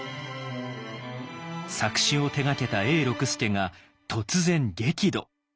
作詞を手がけた永六輔が突然激怒。